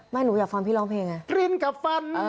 ไม่หนูอยากฟังพี่ร้องเพลงนะ